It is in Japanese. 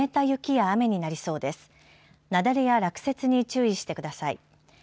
雪崩や落雪に注意してください。